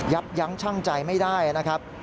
ยับยั้งชั่งใจไม่ได้นะครับ